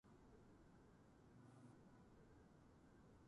鷹狩をした大名